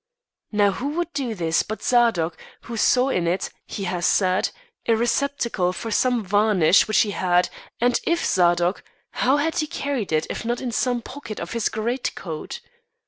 "Now, who would do this but Zadok, who saw in it, he has said, a receptacle for some varnish which he had; and if Zadok, how had he carried it, if not in some pocket of his greatcoat.